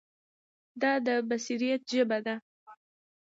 دا د بصیرت ژبه ده.